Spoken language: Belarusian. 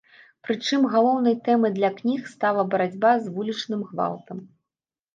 Прычым, галоўнай тэмай для кніг стала барацьба з вулічным гвалтам.